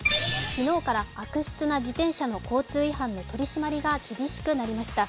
昨日から、悪質な自転車の交通違反の取り締まりが厳しくなりました。